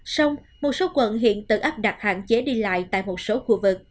xong một số quận hiện tự áp đặt hạn chế đi lại tại một số khu vực